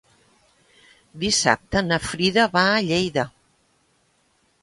Dissabte na Frida va a Lleida.